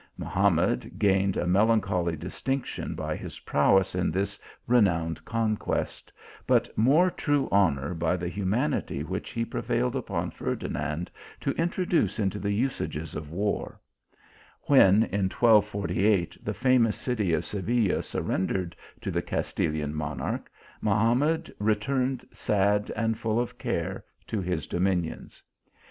Mahamad gained a melancholy dis tinction by his prowess in this renowned conquest, but more true honour by the humanity which he prevailed upon Ferdinand to introcruce into the usages MANAMA D ABEN ALAHMAR. 293 of war. When in 1248, the famous city of Seville surrendered to the Castilian monarch, Mahamad returned sad and full of care to his dominions.